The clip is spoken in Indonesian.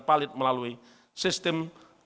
yang tersendiri dengan